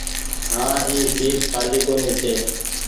هآن اي سيٽ کآلي ڪونيٚ ڇي۔